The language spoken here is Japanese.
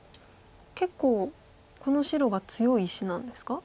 結構この白は強い石なんですか？